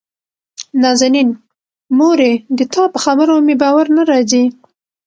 نازنين: مورې دتا په خبرو مې باور نه راځي.